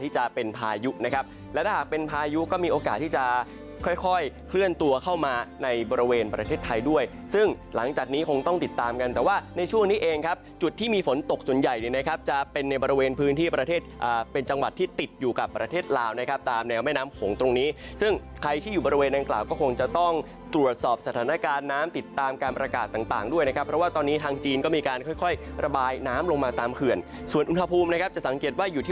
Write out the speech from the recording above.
จุดที่มีฝนตกส่วนใหญ่เนี่ยนะครับจะเป็นในบริเวณพื้นที่ประเทศเป็นจังหวัดที่ติดอยู่กับประเทศลาวนะครับตามแนวแม่น้ำหงตรงนี้ซึ่งใครที่อยู่บริเวณนั้นกล่าก็คงจะต้องตรวจสอบสถานการณ์น้ำติดตามการประกาศต่างด้วยนะครับเพราะว่าตอนนี้ทางจีนก็มีการค่อยระบายน้ำลงมาตามเขื่อนส่วนอุท